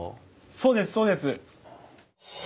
そうですそうです！